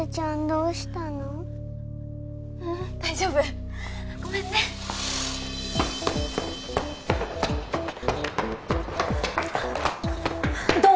ううん大丈夫ごめんねどう！？